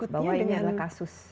bahwa ini adalah kasus